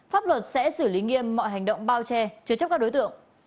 pháp luật sẽ xử lý nghiêm mọi hành động bao che chứa chấp các đối tượng